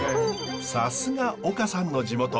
さすが丘さんの地元。